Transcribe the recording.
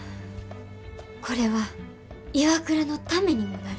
これはＩＷＡＫＵＲＡのためにもなる。